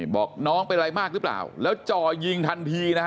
บอกน้องเป็นอะไรมากหรือเปล่าแล้วจ่อยิงทันทีนะฮะ